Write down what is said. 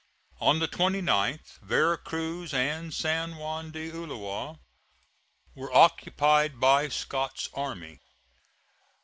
On the 29th Vera Cruz and San Juan de Ulloa were occupied by Scott's army.